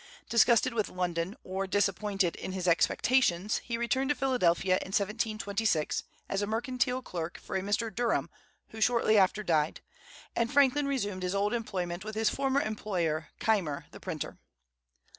Disgusted with London, or disappointed in his expectations, he returned to Philadelphia in 1726 as a mercantile clerk for a Mr. Durham, who shortly after died; and Franklin resumed his old employment with his former employer, Keimer, the printer.